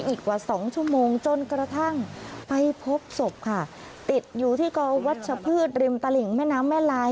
อีกกว่าสองชั่วโมงจนกระทั่งไปพบศพค่ะติดอยู่ที่กอวัชพืชริมตลิ่งแม่น้ำแม่ลาย